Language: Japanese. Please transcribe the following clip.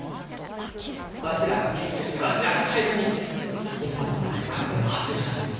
わしらあが研究してわしらあが最初に日本国内で学名を発表したがです。